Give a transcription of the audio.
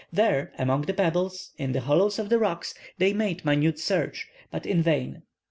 There, among the pebbles, in the hollows of the rocks, they made minute search, but in vain.